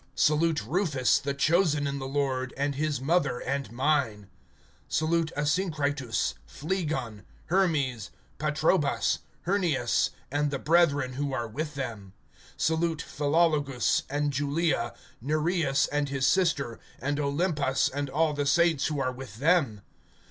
(13)Salute Rufus, the chosen in the Lord, and his mother and mine. (14)Salute Asyncritus, Phlegon, Hermes, Patrobas, Hernias, and the brethren who are with them. (15)Salute Philologus, and Julia, Nereus and his sister, and Olympas, and all the saints who are with them.